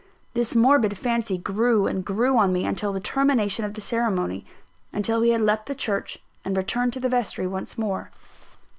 This morbid fancy grew and grew on me until the termination of the ceremony, until we had left the church and returned to the vestry once more.